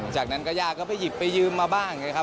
จากนั้นก็ย่าก็ไปหยิบไปยืมมาบ้างนะครับ